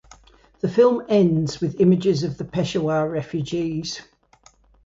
The film ends with images of the Peshawar refugees.